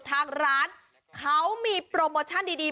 ทางร้านเขามีโปรโมชั่นดี